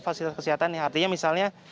fasilitas kesehatan yang artinya misalnya